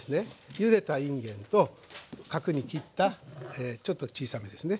ゆでたいんげんと角に切ったちょっと小さめですね